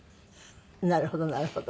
なるほどなるほど。